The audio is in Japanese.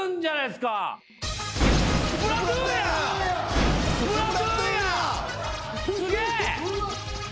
すげえ！